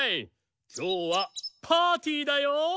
きょうはパーティーだよ！